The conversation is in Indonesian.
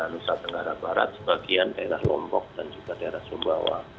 nusa tenggara barat sebagian daerah lombok dan juga daerah sumbawa